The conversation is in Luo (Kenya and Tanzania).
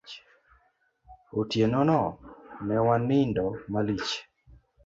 Otieno no, ne wanindo malich.